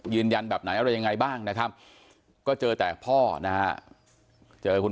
ยืนยันแบบไหนอะไรยังไงบ้างนะครับก็เจอแต่พ่อนะฮะเจอคุณ